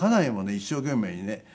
一生懸命にね